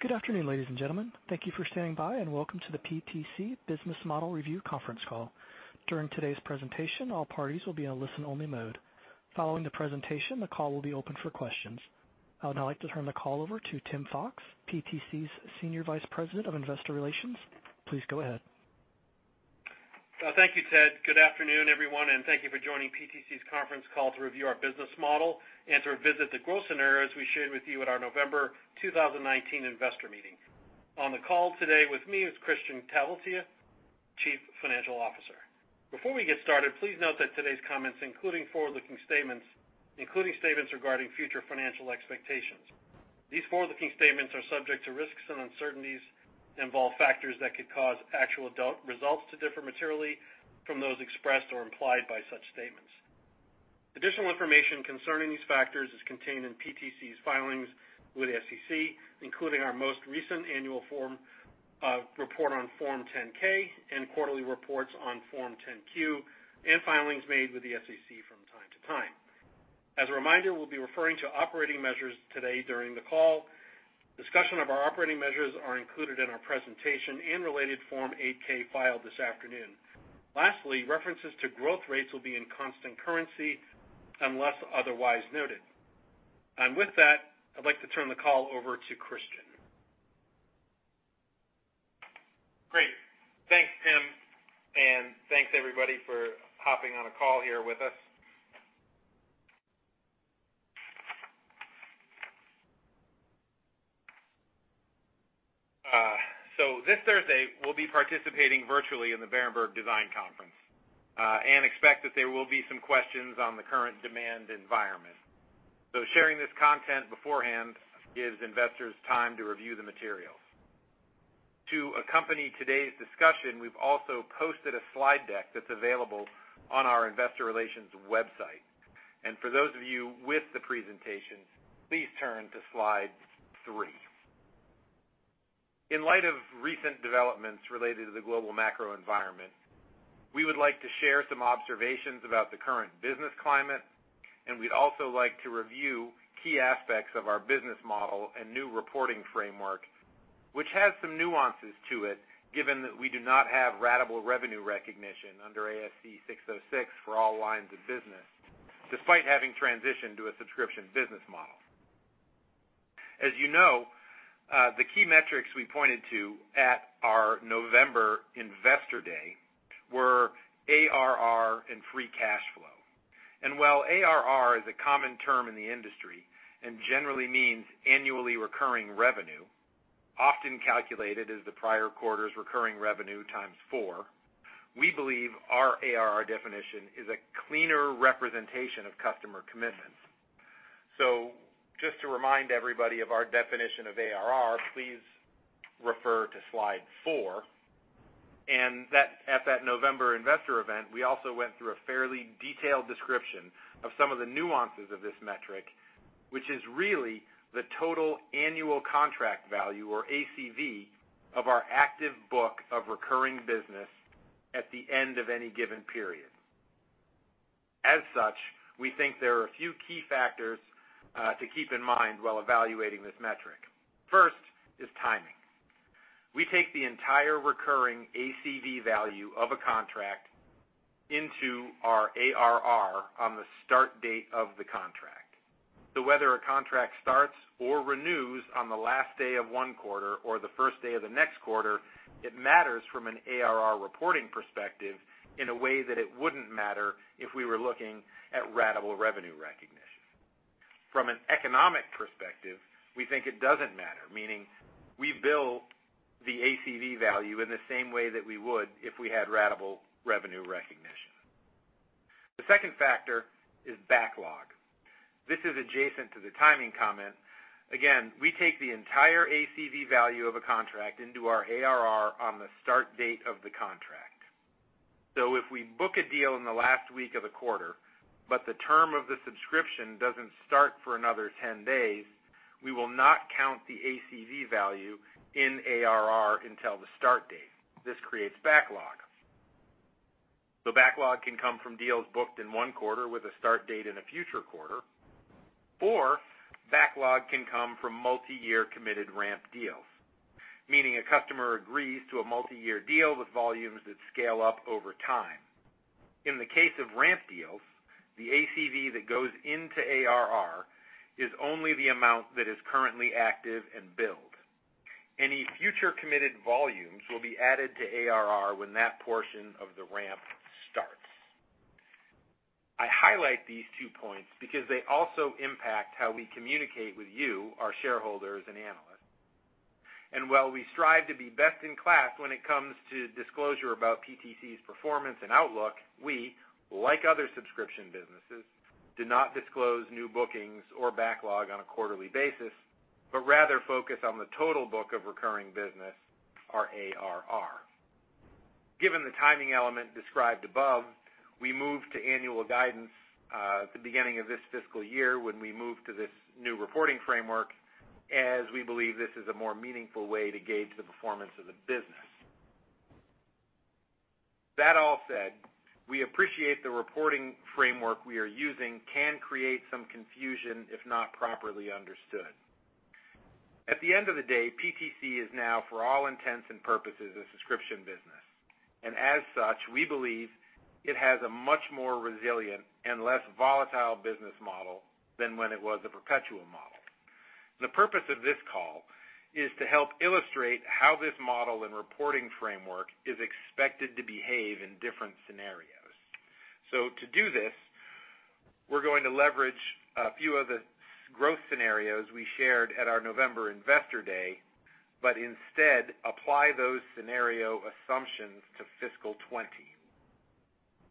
Good afternoon, ladies and gentlemen. Thank you for standing by. Welcome to the PTC Business Model Review Conference Call. During today's presentation, all parties will be on listen-only mode. Following the presentation, the call will be open for questions. I would now like to turn the call over to Tim Fox, PTC's Senior Vice President of Investor Relations. Please go ahead. Thank you, Ted. Good afternoon, everyone, and thank you for joining PTC's conference call to review our business model and to revisit the growth scenarios we shared with you at our November 2019 investor meeting. On the call today with me is Kristian Talvitie, Chief Financial Officer. Before we get started, please note that today's comments, including forward-looking statements, including statements regarding future financial expectations. These forward-looking statements are subject to risks and uncertainties and involve factors that could cause actual results to differ materially from those expressed or implied by such statements. Additional information concerning these factors is contained in PTC's filings with the SEC, including our most recent annual report on Form 10-K and quarterly reports on Form 10-Q, and filings made with the SEC from time to time. As a reminder, we'll be referring to operating measures today during the call. Discussion of our operating measures are included in our presentation and related Form 8-K filed this afternoon. Lastly, references to growth rates will be in constant currency unless otherwise noted. With that, I'd like to turn the call over to Kristian. Great. Thanks, Tim, and thanks everybody for hopping on a call here with us. This Thursday, we'll be participating virtually in the Berenberg Design Conference and expect that there will be some questions on the current demand environment. Sharing this content beforehand gives investors time to review the materials. To accompany today's discussion, we've also posted a slide deck that's available on our investor relations website. For those of you with the presentation, please turn to slide three. In light of recent developments related to the global macro environment, we would like to share some observations about the current business climate. We'd also like to review key aspects of our business model and new reporting framework, which has some nuances to it, given that we do not have ratable revenue recognition under ASC 606 for all lines of business, despite having transitioned to a subscription business model. As you know, the key metrics we pointed to at our November Investor Day were ARR and free cash flow. While ARR is a common term in the industry and generally means annually recurring revenue, often calculated as the prior quarter's recurring revenue times four, we believe our ARR definition is a cleaner representation of customer commitments. Just to remind everybody of our definition of ARR, please refer to slide four. At that November investor event, we also went through a fairly detailed description of some of the nuances of this metric, which is really the total annual contract value, or ACV, of our active book of recurring business at the end of any given period. As such, we think there are a few key factors to keep in mind while evaluating this metric. First is timing. We take the entire recurring ACV value of a contract into our ARR on the start date of the contract. Whether a contract starts or renews on the last day of one quarter or the first day of the next quarter, it matters from an ARR reporting perspective in a way that it wouldn't matter if we were looking at ratable revenue recognition. From an economic perspective, we think it doesn't matter, meaning we bill the ACV value in the same way that we would if we had ratable revenue recognition. The second factor is backlog. This is adjacent to the timing comment. Again, we take the entire ACV value of a contract into our ARR on the start date of the contract. If we book a deal in the last week of a quarter, but the term of the subscription doesn't start for another 10 days, we will not count the ACV value in ARR until the start date. This creates backlog. Backlog can come from deals booked in one quarter with a start date in a future quarter, or backlog can come from multi-year committed ramp deals, meaning a customer agrees to a multi-year deal with volumes that scale up over time. In the case of ramp deals, the ACV that goes into ARR is only the amount that is currently active and billed. Any future committed volumes will be added to ARR when that portion of the ramp starts. I highlight these two points because they also impact how we communicate with you, our shareholders, and analysts. While we strive to be best in class when it comes to disclosure about PTC's performance and outlook, we, like other subscription businesses, do not disclose new bookings or backlog on a quarterly basis, but rather focus on the total book of recurring business, our ARR. Given the timing element described above, we moved to annual guidance at the beginning of this fiscal year when we moved to this new reporting framework, as we believe this is a more meaningful way to gauge the performance of the business. That all said, we appreciate the reporting framework we are using can create some confusion if not properly understood. At the end of the day, PTC is now, for all intents and purposes, a subscription business. As such, we believe it has a much more resilient and less volatile business model than when it was a perpetual model. The purpose of this call is to help illustrate how this model and reporting framework is expected to behave in different scenarios. To do this, we're going to leverage a few of the growth scenarios we shared at our November Investor Day, but instead apply those scenario assumptions to FY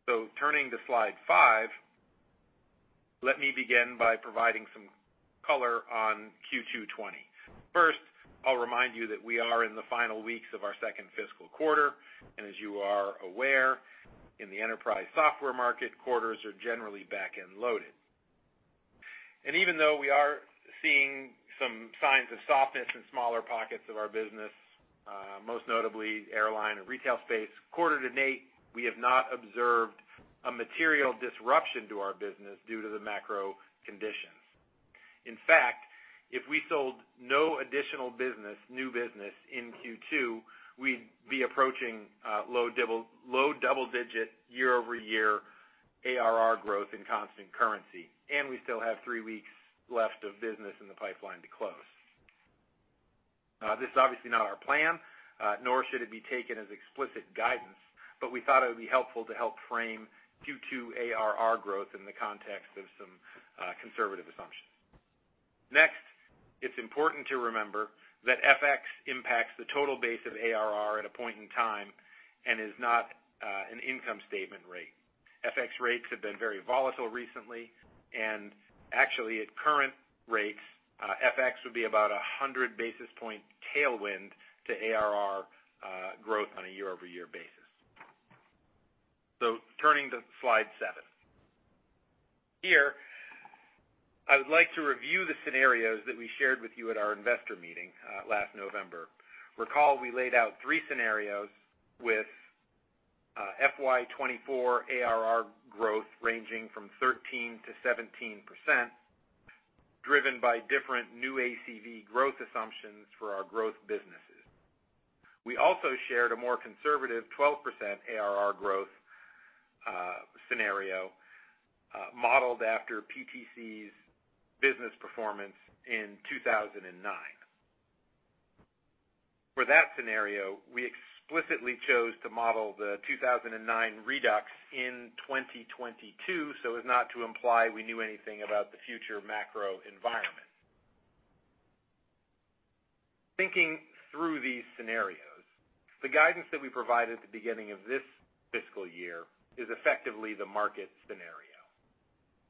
2020. Turning to slide five, let me begin by providing some color on Q2 2020. First, I'll remind you that we are in the final weeks of our second fiscal quarter, and as you are aware, in the enterprise software market, quarters are generally back-end loaded. Even though we are seeing some signs of softness in smaller pockets of our business, most notably airline and retail space, quarter-to-date, we have not observed a material disruption to our business due to the macro conditions. In fact, if we sold no additional business, new business in Q2, we'd be approaching low double-digit year-over-year ARR growth in constant currency, and we still have three weeks left of business in the pipeline to close. This is obviously not our plan, nor should it be taken as explicit guidance, but we thought it would be helpful to help frame Q2 ARR growth in the context of some conservative assumptions. Next, it's important to remember that FX impacts the total base of ARR at a point in time and is not an income statement rate. FX rates have been very volatile recently, and actually at current rates, FX would be about 100 basis point tailwind to ARR growth on a year-over-year basis. Turning to slide seven. Here, I would like to review the scenarios that we shared with you at our investor meeting last November. Recall, we laid out three scenarios with FY 2024 ARR growth ranging from 13%-17%, driven by different new ACV growth assumptions for our growth businesses. We also shared a more conservative 12% ARR growth scenario modeled after PTC's business performance in 2009. For that scenario, we explicitly chose to model the 2009 redux in 2022 so as not to imply we knew anything about the future macro environment. Thinking through these scenarios, the guidance that we provided at the beginning of this fiscal year is effectively the market scenario.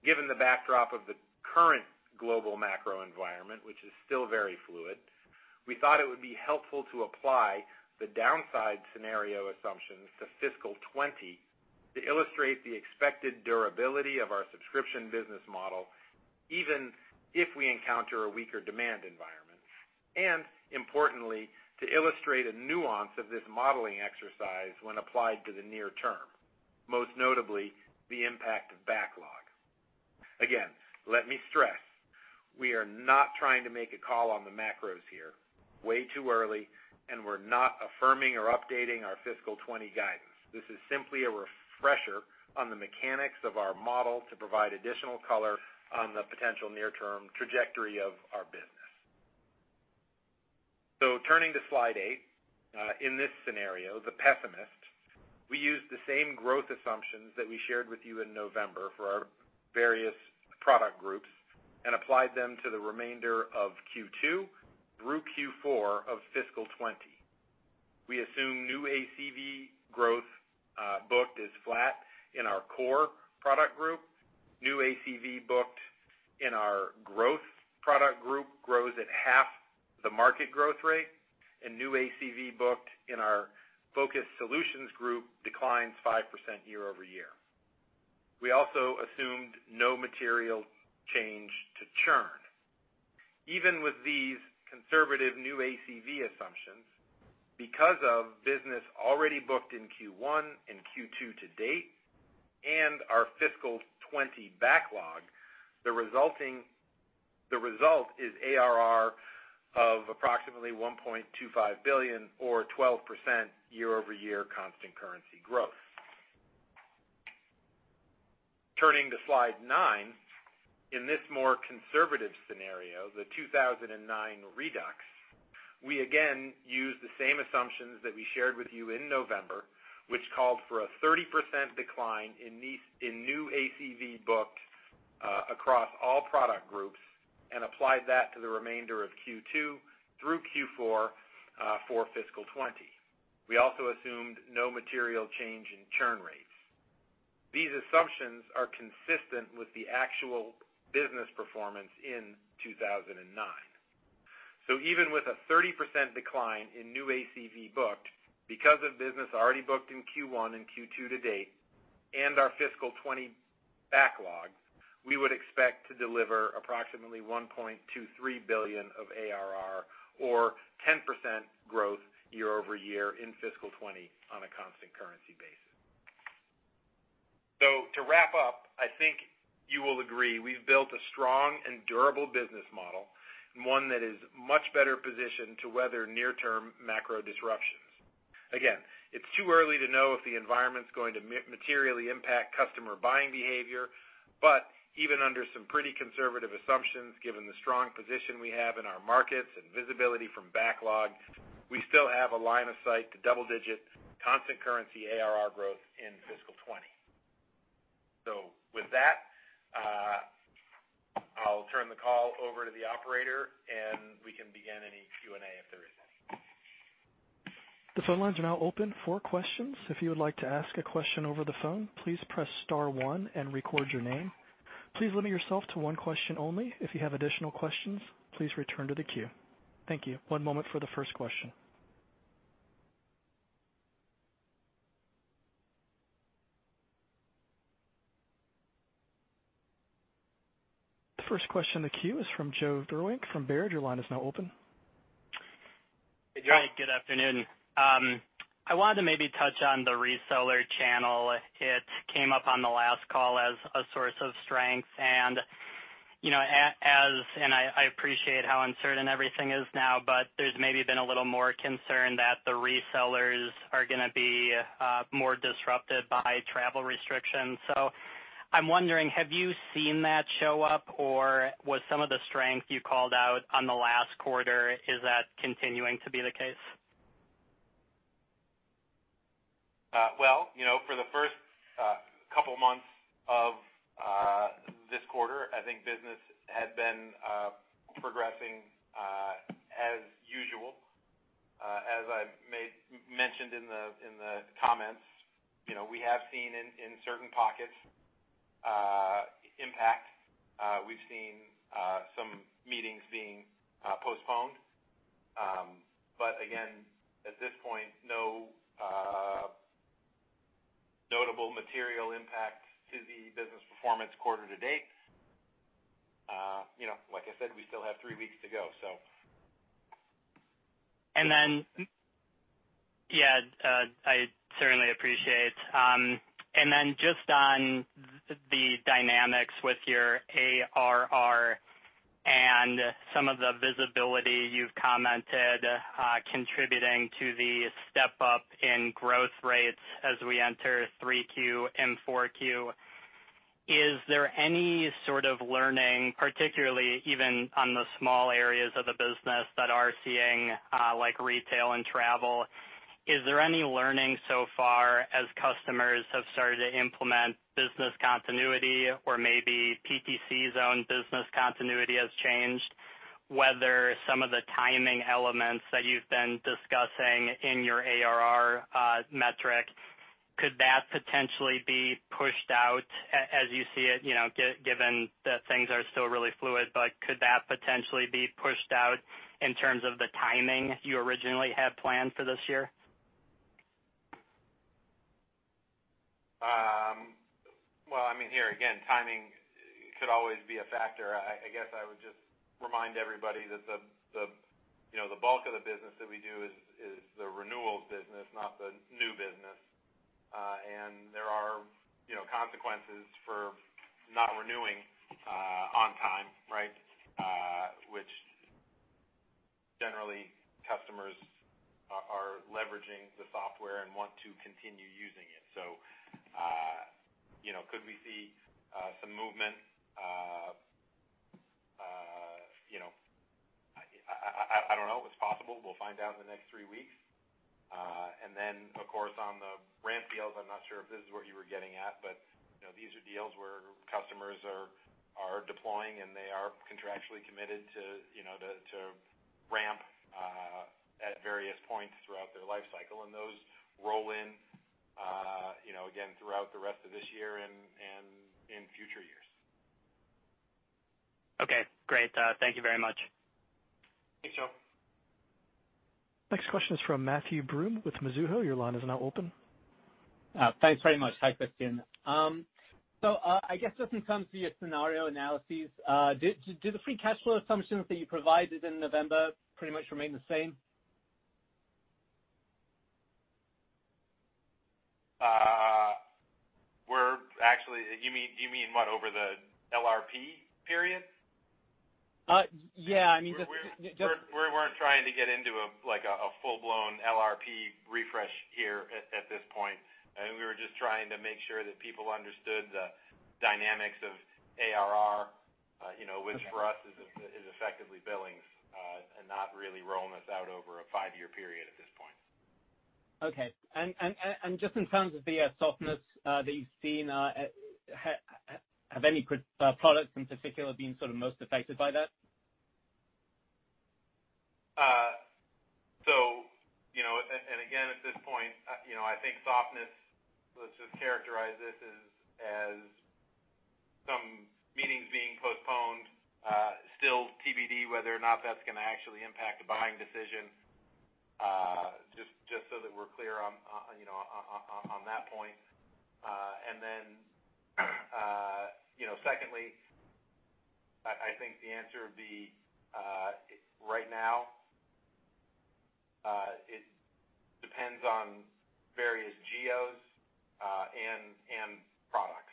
Given the backdrop of the current global macro environment, which is still very fluid, we thought it would be helpful to apply the downside scenario assumptions to fiscal 2020 to illustrate the expected durability of our subscription business model, even if we encounter a weaker demand environment, and importantly, to illustrate a nuance of this modeling exercise when applied to the near term, most notably, the impact of backlog. Again, let me stress, we are not trying to make a call on the macros here. Way too early, and we're not affirming or updating our fiscal 2020 guidance. This is simply a refresher on the mechanics of our model to provide additional color on the potential near-term trajectory of our business. Turning to slide eight. In this scenario, the pessimist, we used the same growth assumptions that we shared with you in November for our various product groups and applied them to the remainder of Q2 through Q4 of FY 2020. We assume new ACV growth booked is flat in our core product group. New ACV booked in our growth product group grows at half the market growth rate, new ACV booked in our focused solutions group declines 5% year-over-year. We also assumed no material change to churn. Even with these conservative new ACV assumptions, because of business already booked in Q1 and Q2 to date and our FY 2020 backlog, the result is ARR of approximately $1.25 billion or 12% year-over-year constant currency growth. Turning to slide nine. In this more conservative scenario, the 2009 redux, we again use the same assumptions that we shared with you in November, which called for a 30% decline in new ACV booked across all product groups and applied that to the remainder of Q2 through Q4 for fiscal 2020. We also assumed no material change in churn rates. These assumptions are consistent with the actual business performance in 2009. Even with a 30% decline in new ACV booked, because of business already booked in Q1 and Q2 to date Our fiscal 2020 backlog, we would expect to deliver approximately $1.23 billion of ARR, or 10% growth year-over-year in fiscal 2020 on a constant currency basis. To wrap up, I think you will agree, we've built a strong and durable business model, and one that is much better positioned to weather near-term macro disruptions. Again, it's too early to know if the environment's going to materially impact customer buying behavior, but even under some pretty conservative assumptions, given the strong position we have in our markets and visibility from backlog, we still have a line of sight to double-digit constant currency ARR growth in fiscal 2020. With that, I'll turn the call over to the operator, and we can begin any Q&A if there is any. The phone lines are now open for questions. If you would like to ask a question over the phone, please press star one and record your name. Please limit yourself to one question only. If you have additional questions, please return to the queue. Thank you. One moment for the first question. The first question in the queue is from Joe Vruwink from Baird. Your line is now open. Hey, Joe. Hi, good afternoon. I wanted to maybe touch on the reseller channel. It came up on the last call as a source of strength. I appreciate how uncertain everything is now, but there's maybe been a little more concern that the resellers are gonna be more disrupted by travel restrictions. I'm wondering, have you seen that show up, or was some of the strength you called out on the last quarter, is that continuing to be the case? For the first couple months of this quarter, I think business had been progressing as usual. As I mentioned in the comments, we have seen in certain pockets impact. We've seen some meetings being postponed. Again, at this point, no notable material impact to the business performance quarter to date. Like I said, we still have three weeks to go. Yeah. I certainly appreciate. Just on the dynamics with your ARR and some of the visibility you've commented contributing to the step-up in growth rates as we enter 3Q and 4Q, is there any sort of learning, particularly even on the small areas of the business that are seeing, like retail and travel, is there any learning so far as customers have started to implement business continuity or maybe PTC's own business continuity has changed, whether some of the timing elements that you've been discussing in your ARR metric, could that potentially be pushed out as you see it, given that things are still really fluid, but could that potentially be pushed out in terms of the timing you originally had planned for this year? Well, here again, timing could always be a factor. I guess I would just remind everybody that the bulk of the business that we do is the renewals business, not the new business. There are consequences for not renewing on time. Which generally, customers are leveraging the software and want to continue using it. Could we see some movement? I don't know. It's possible. We'll find out in the next three weeks. Of course, on the ramp deals, I'm not sure if this is what you were getting at, but these are deals where customers are deploying, and they are contractually committed to ramp at various points throughout their life cycle. Those roll in again throughout the rest of this year and in future years. Okay, great. Thank you very much. Thanks, Joe. Next question is from Matthew Broome with Mizuho. Your line is now open. Thanks very much. Hi, Kristian. I guess just in terms of your scenario analyses, do the free cash flow assumptions that you provided in November pretty much remain the same? Do you mean what, over the LRP period? Yeah, I mean. We're trying to get into a full-blown LRP refresh here at this point. We were just trying to make sure that people understood the dynamics of ARR. Okay. Which for us is effectively billings, and not really rolling this out over a five-year period at this point. Okay. Just in terms of the softness that you've seen, have any products in particular been sort of most affected by that? Again, at this point, I think softness, let's just characterize this as some meetings being postponed. Still TBD whether or not that's going to actually impact a buying decision, just so that we're clear on that point. Secondly, I think the answer would be, right now, it depends on various geos and products.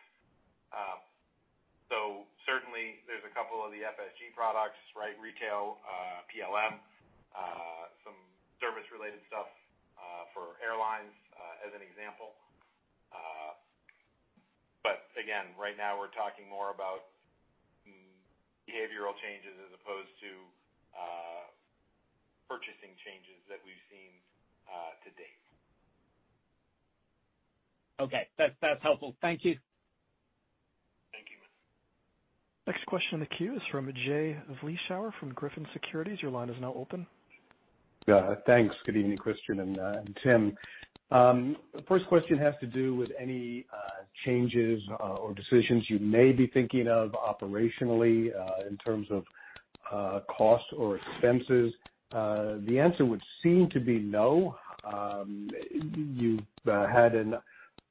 Certainly there's a couple of the FSG products, retail, PLM, some service-related stuff for airlines, as an example. Again, right now we're talking more about behavioral changes as opposed to purchasing changes that we've seen to date. Okay. That's helpful. Thank you. Thank you. Next question in the queue is from Jay Vleeschouwer from Griffin Securities. Your line is now open. Thanks. Good evening, Kristian and Tim. First question has to do with any changes or decisions you may be thinking of operationally, in terms of costs or expenses. The answer would seem to be no. You've had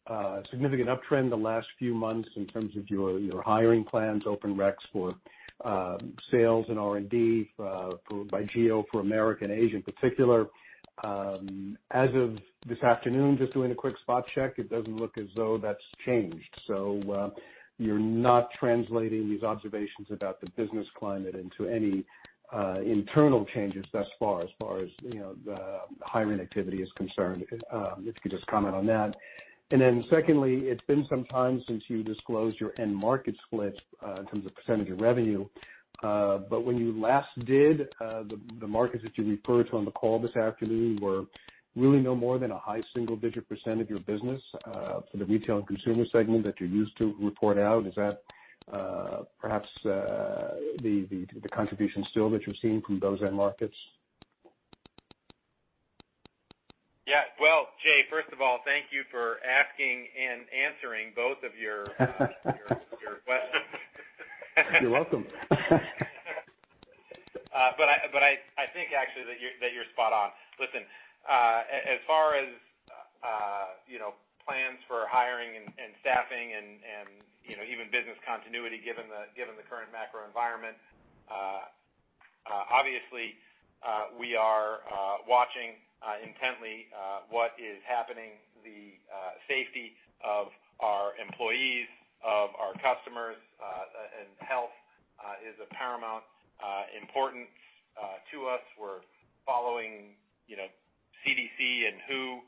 a significant uptrend the last few months in terms of your hiring plans, open recs for sales and R&D, by geo for Americas and Asia in particular. As of this afternoon, just doing a quick spot check, it doesn't look as though that's changed. You're not translating these observations about the business climate into any internal changes thus far, as far as the hiring activity is concerned. If you could just comment on that. Secondly, it's been some time since you disclosed your end market split, in terms of percentage of revenue. When you last did, the markets that you referred to on the call this afternoon were really no more than a high single-digit percent of your business, for the retail and consumer segment that you used to report out. Is that perhaps the contribution still that you're seeing from those end markets? Yeah. Well, Jay, first of all, thank you for asking and answering both of your questions. You're welcome. I think actually that you're spot on. Listen, as far as plans for hiring and staffing and even business continuity, given the current macro environment, obviously, we are watching intently what is happening. The safety of our employees, of our customers, and health is of paramount importance to us. We're following CDC and WHO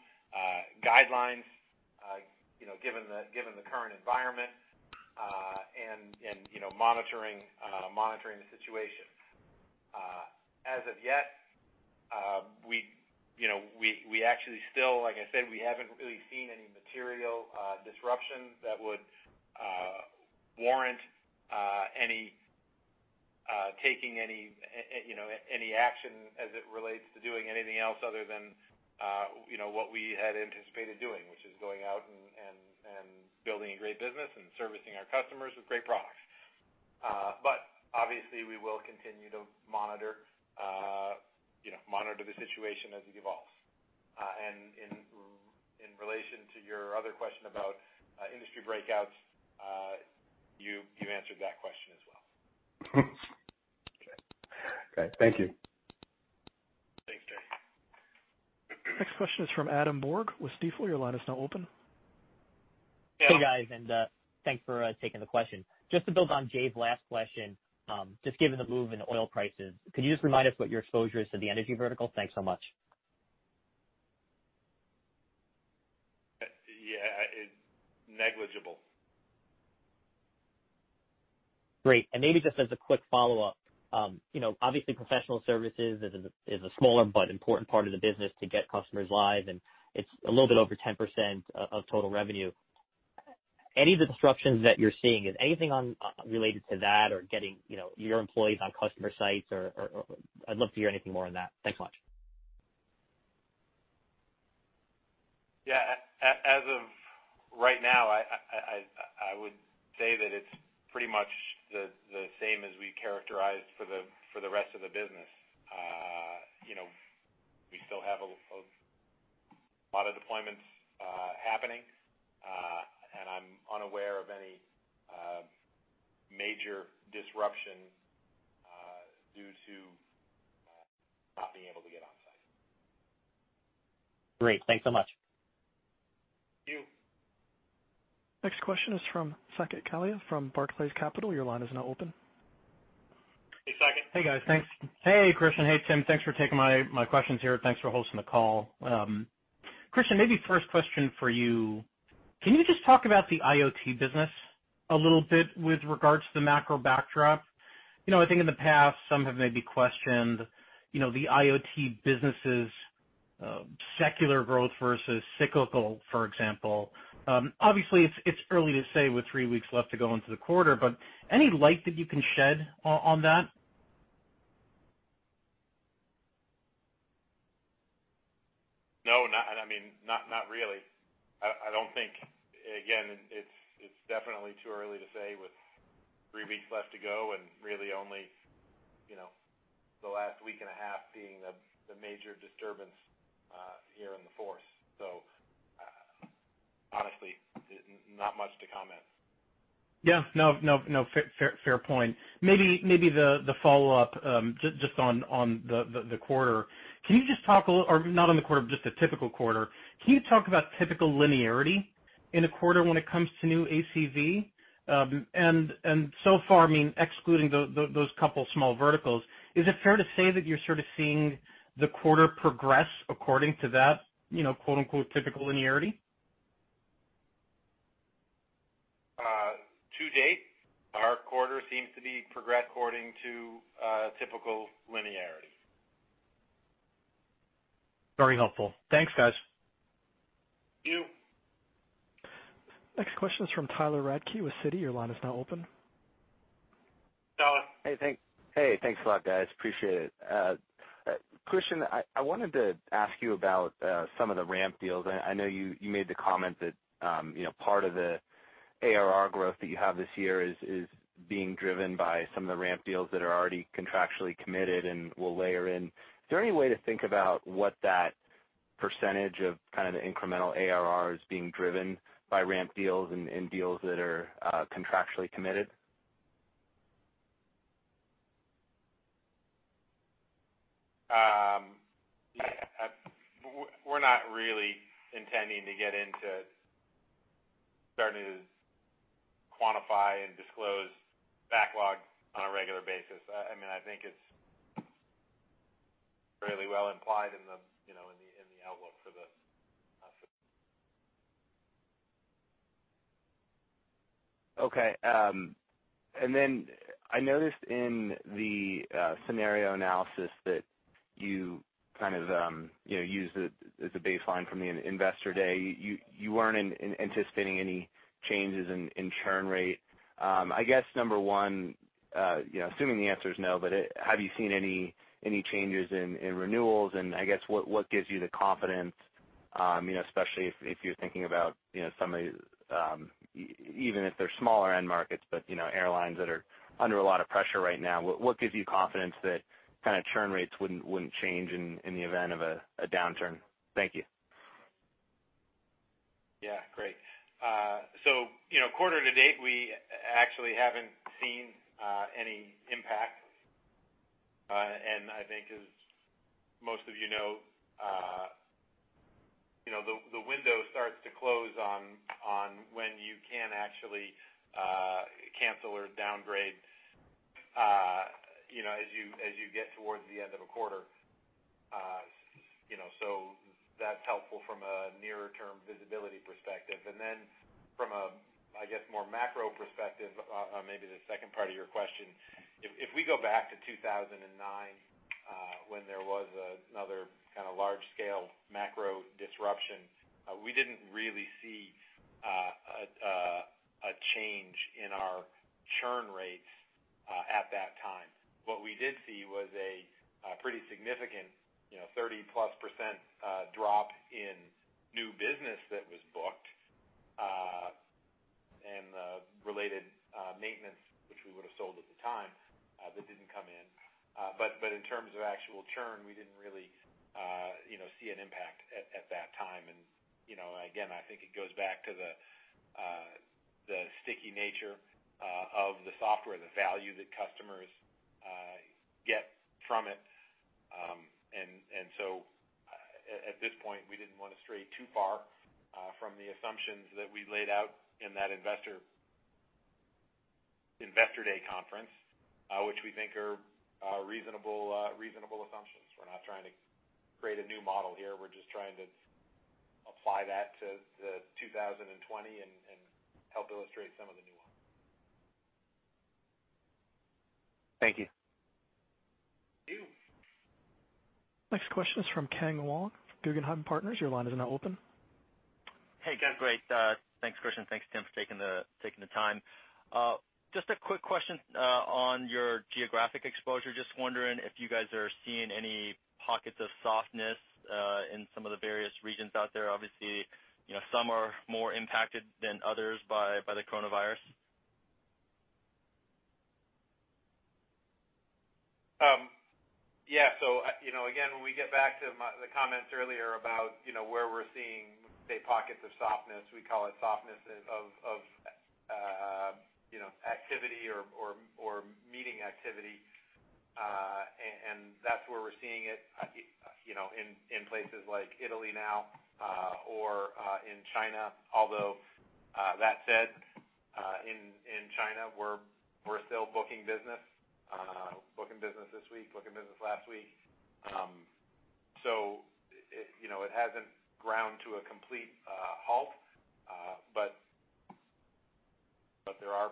guidelines, given the current environment, and monitoring the situation. As of yet, we actually still, like I said, we haven't really seen any material disruption that would warrant taking any action as it relates to doing anything else other than what we had anticipated doing, which is going out and building a great business and servicing our customers with great products. Obviously, we will continue to monitor the situation as it evolves. In relation to your other question about industry breakouts, you answered that question as well. Okay. Thank you. Thanks, Jay. Next question is from Adam Borg with Stifel. Your line is now open. Hey. Hey, guys, thanks for taking the question. Just to build on Jay's last question, just given the move in oil prices, could you just remind us what your exposure is to the energy vertical? Thanks so much. Yeah. It's negligible. Great. Maybe just as a quick follow-up, obviously professional services is a smaller but important part of the business to get customers live, and it's a little bit over 10% of total revenue. Any of the disruptions that you're seeing, is anything related to that or getting your employees on customer sites or I'd love to hear anything more on that? Thanks so much. Yeah. As of right now, I would say that it's pretty much the same as we characterized for the rest of the business. We still have a lot of deployments happening. I'm unaware of any major disruptions due to not being able to get on site. Great. Thanks so much. Thank you. Next question is from Saket Kalia from Barclays Capital. Your line is now open. Hey, Saket. Hey, guys. Thanks. Hey, Kristian. Hey, Tim. Thanks for taking my questions here. Thanks for hosting the call. Kristian, maybe first question for you. Can you just talk about the IoT business a little bit with regards to the macro backdrop? I think in the past, some have maybe questioned the IoT business' secular growth versus cyclical, for example. Obviously, it's early to say with three weeks left to go into the quarter, but any light that you can shed on that? No, not really. I don't think. Again, it's definitely too early to say with three weeks left to go and really only the last week and a half being the major disturbance here in the force. Honestly, not much to comment. Yeah. No, fair point. Maybe the follow-up, just on the quarter. Or not on the quarter, but just a typical quarter. Can you talk about typical linearity in a quarter when it comes to new ACV? So far, excluding those couple of small verticals, is it fair to say that you're sort of seeing the quarter progress according to that, quote unquote, "typical linearity"? To date, our quarter seems to be progressing according to typical linearity. Very helpful. Thanks, guys. Thank you. Next question is from Tyler Radke with Citi. Your line is now open. Tyler. Hey. Thanks a lot, guys. Appreciate it. Kristian, I wanted to ask you about some of the ramp deals. I know you made the comment that part of the ARR growth that you have this year is being driven by some of the ramp deals that are already contractually committed and will layer in. Is there any way to think about what that percentage of kind of the incremental ARR is being driven by ramp deals and deals that are contractually committed? We're not really intending to get into starting to quantify and disclose backlog on a regular basis. I think it's fairly well implied in the outlook for this. Okay. I noticed in the scenario analysis that you kind of used it as a baseline from the Investor Day. You weren't anticipating any changes in churn rate. I guess, number one, assuming the answer is no, but have you seen any changes in renewals? I guess, what gives you the confidence, especially if you're thinking about some of these, even if they're smaller end markets, but airlines that are under a lot of pressure right now. What gives you confidence that kind of churn rates wouldn't change in the event of a downturn? Thank you. Yeah. Great. Quarter-to-date, we actually haven't seen any impact. I think as most of you know, the window starts to close on when you can actually cancel or downgrade as you get towards the end of a quarter. That's helpful from a near-term visibility perspective and then from a, I guess, more macro perspective on maybe the second part of your question, if we go back to 2009, when there was another kind of large scale macro disruption, we didn't really see a change in our churn rates at that time. What we did see was a pretty significant, 30%+ drop in new business that was booked, and the related maintenance, which we would've sold at the time, that didn't come in. In terms of actual churn, we didn't really see an impact at that time. Again, I think it goes back to the sticky nature of the software, the value that customers get from it. At this point, we didn't want to stray too far from the assumptions that we laid out in that Investor Day conference, which we think are reasonable assumptions. We're not trying to create a new model here. We're just trying to apply that to 2020 and help illustrate some of the new ones. Thank you. Thank you. Next question is from Ken Wong, Guggenheim Partners. Your line is now open. Hey. Great. Thanks, Kristian. Thanks, Tim, for taking the time. Just a quick question on your geographic exposure. Just wondering if you guys are seeing any pockets of softness in some of the various regions out there. Obviously, some are more impacted than others by the coronavirus. When we get back to the comments earlier about where we're seeing the pockets of softness, we call it softness of activity or meeting activity. That's where we're seeing it in places like Italy now or in China. That said, in China, we're still booking business. Booking business this week, booking business last week. It hasn't ground to a complete halt. There are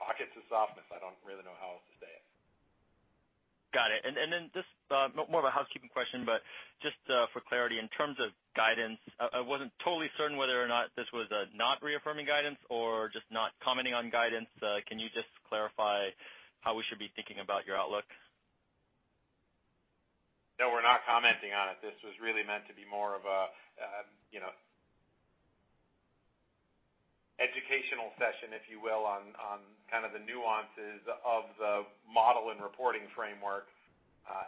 pockets of softness. I don't really know how else to say it. Got it. Just more of a housekeeping question, but just for clarity, in terms of guidance, I wasn't totally certain whether or not this was a not reaffirming guidance or just not commenting on guidance. Can you just clarify how we should be thinking about your outlook? No, we're not commenting on it. This was really meant to be more of a educational session, if you will, on the nuances of the model and reporting framework,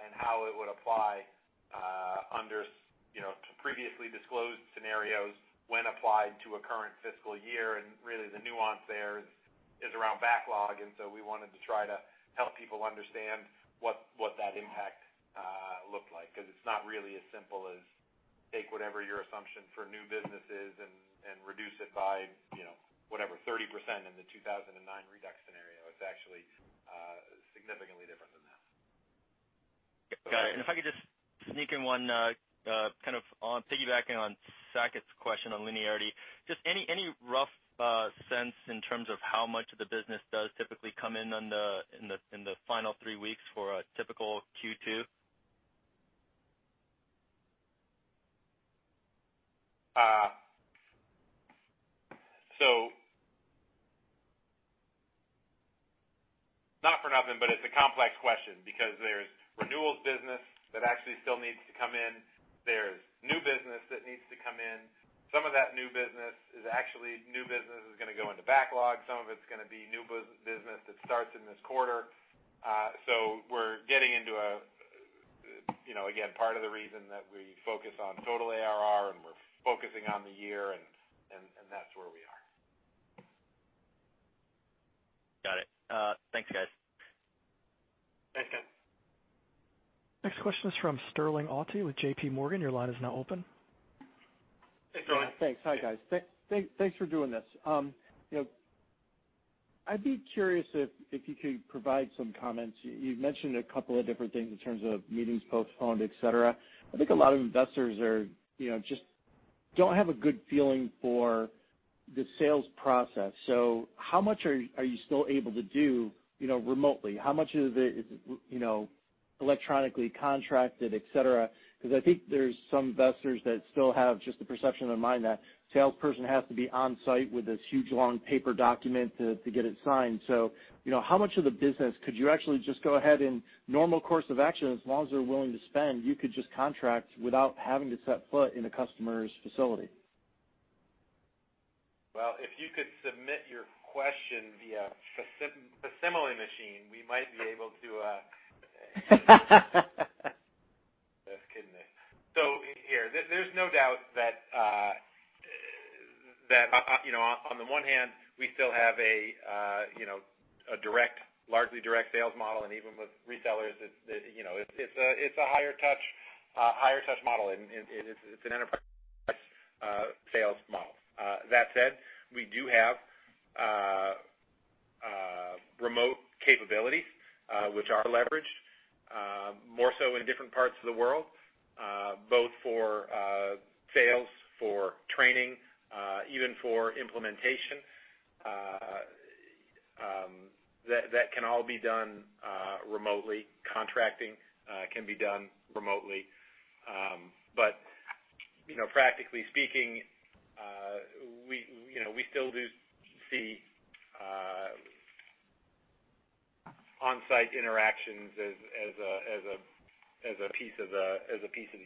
and how it would apply to previously disclosed scenarios when applied to a current fiscal year. Really, the nuance there is around backlog, and so we wanted to try to help people understand what that impact looked like. It's not really as simple as take whatever your assumption for new business is and reduce it by whatever, 30% in the 2009 redux scenario. It's actually significantly different than that. Got it. If I could just sneak in one, piggybacking on Saket's question on linearity, just any rough sense in terms of how much of the business does typically come in in the final three weeks for a typical Q2? Not for nothing, it's a complex question because there's renewals business that actually still needs to come in. There's new business that needs to come in. Some of that new business is actually new business that's going to go into backlog. Some of it's going to be new business that starts in this quarter. We're getting into, again, part of the reason that we focus on total ARR and we're focusing on the year and that's where we are. Got it. Thanks, guys. Thanks, Ken. Next question is from Sterling Auty with JPMorgan. Your line is now open. Hey, Sterling. Thanks. Hi, guys. Thanks for doing this. I'd be curious if you could provide some comments. You've mentioned a couple of different things in terms of meetings postponed, et cetera. I think a lot of investors just don't have a good feeling for the sales process. How much are you still able to do remotely? How much of it is electronically contracted, et cetera? Because I think there's some investors that still have just the perception in mind that a salesperson has to be on-site with this huge long paper document to get it signed. How much of the business could you actually just go ahead in normal course of action, as long as they're willing to spend, you could just contract without having to set foot in a customer's facility? Well, if you could submit your question via facsimile machine, we might be able. Just kidding there. Here, there's no doubt that on the one hand, we still have a largely direct sales model, and even with resellers, it's a higher touch model. It's an enterprise sales model. That said, we do have remote capabilities, which are leveraged more so in different parts of the world, both for sales, for training, even for implementation. That can all be done remotely. Contracting can be done remotely. Practically speaking, we still do see on-site interactions as a piece of the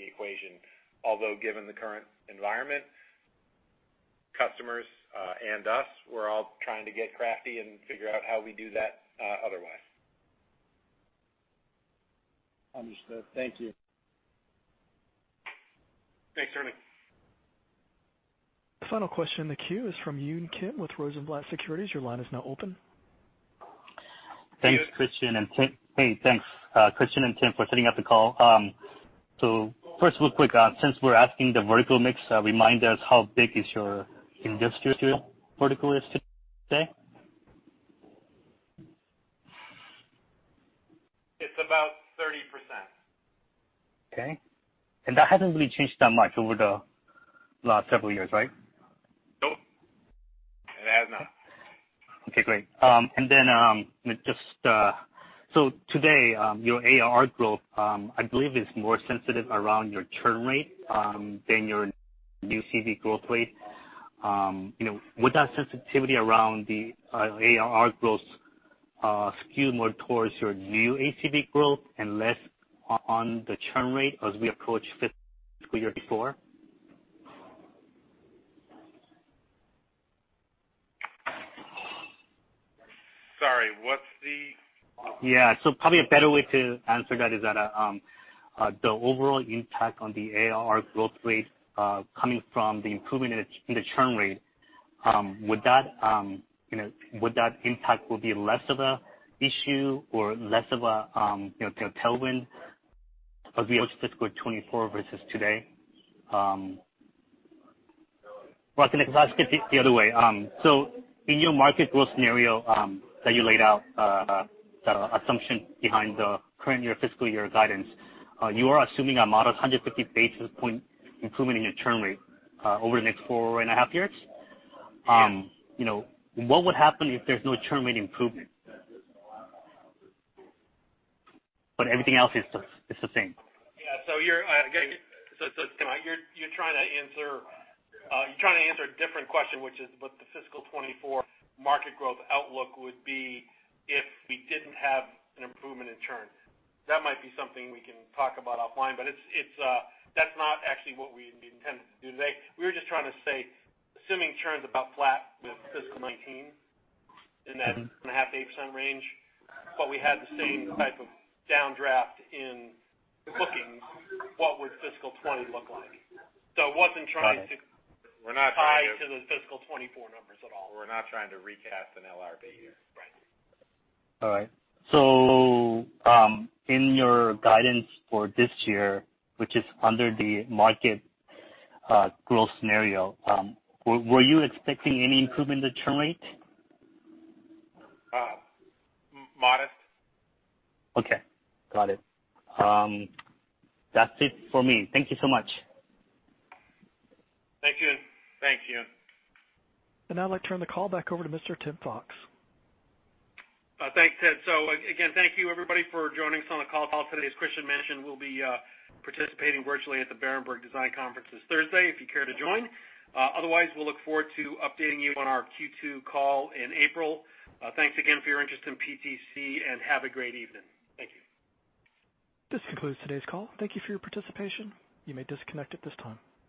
equation. Although given the current environment, customers and us, we're all trying to get crafty and figure out how we do that otherwise. Understood. Thank you. Thanks, Sterling. The final question in the queue is from Yoon Kim with Rosenblatt Securities. Your line is now open. Hey, Yoon. Thanks, Kristian and Tim, for setting up the call. First real quick, since we're asking the vertical mix, remind us how big is your industrial vertical risk today? It's about 30%. Okay. That hasn't really changed that much over the last several years, right? Nope. It has not. Okay, great. Today, your ARR growth, I believe is more sensitive around your churn rate than your new ACV growth rate. Would that sensitivity around the ARR growth skew more towards your new ACV growth and less on the churn rate as we approach FY 2024? Sorry, what's? Yeah. Probably a better way to answer that is that the overall impact on the ARR growth rate coming from the improvement in the churn rate, would that impact will be less of a issue or less of a tailwind as we approach FY 2024 versus today? I can ask it the other way. In your market growth scenario that you laid out, the assumption behind the current fiscal year guidance, you are assuming a modest 150 basis point improvement in your churn rate over the next four and a half years? Yes. What would happen if there's no churn rate improvement? Everything else is the same. You're trying to answer a different question, which is what the FY 2024 market growth outlook would be if we didn't have an improvement in churn. That might be something we can talk about offline, but that's not actually what we intended to do today. We were just trying to say, assuming churn's about flat with FY 2019, in that 5.5%-8% range, but we had the same type of downdraft in bookings, what would FY 2020 look like? Got it. Tie to the fiscal 2024 numbers at all. We're not trying to recast an LRP here. Right. All right. In your guidance for this year, which is under the market growth scenario, were you expecting any improvement in the churn rate? Modest. Okay. Got it. That's it for me. Thank you so much. Thank you. Now I'd like to turn the call back over to Mr. Tim Fox. Thanks, Ted. Again, thank you everybody for joining us on the call today. As Kristian mentioned, we'll be participating virtually at the Berenberg Design Conference this Thursday, if you care to join. Otherwise, we'll look forward to updating you on our Q2 call in April. Thanks again for your interest in PTC, and have a great evening. Thank you. This concludes today's call. Thank you for your participation. You may disconnect at this time.